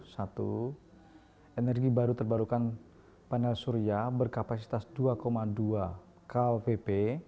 satu energi baru terbarukan panel surya berkapasitas dua dua kvp